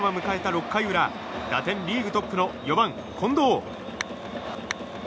６回裏打点リーグトップの４番、近藤。